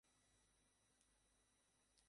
আমাকে পুরানো কোনও মামলায় জরাবেন না, স্যার।